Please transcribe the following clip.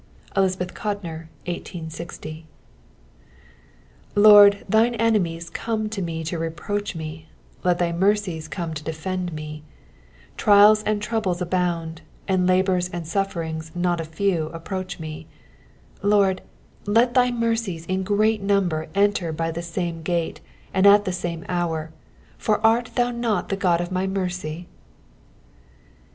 —Elizabeth Codner, 1860. Lord, thine enemies come to me to reproach me, let thy mercies come to defend me ; trials and troubles abound, and labours and sufferings not a few approach me ; Lord, let thy mercies in great number enter by the same gate, and at the same hour ; for art thou not the God of my mercy